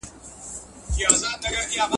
ډیپلوماټیک پیغامونه باید په سمه توګه انتقال سي.